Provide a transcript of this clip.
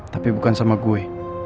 tapi bukan sama gue